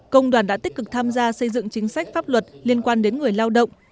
công đoàn đã tích cực tham gia xây dựng chính sách pháp luật liên quan đến người lao động